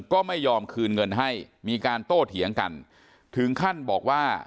ก็ไม่ยอมคืนเงินให้มีการโต้เถียงกันถึงขั้นบอกว่า